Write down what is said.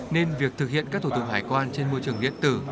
nên việc thực hiện các thủ tục hải quan trên môi trường điện tử